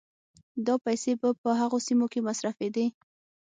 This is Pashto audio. دا پيسې به په هغو سيمو کې مصرفېدې